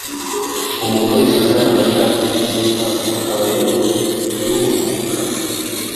umuntu wese uzana amacakubiri n'urwango aba ayobowe n'uwo mwuka.